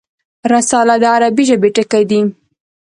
رساله د عربي ژبي ټکی دﺉ.